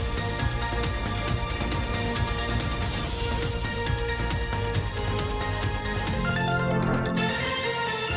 โปรดติดตามตอนต่อไป